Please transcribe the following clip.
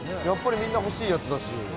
「やっぱりみんな欲しいやつだし」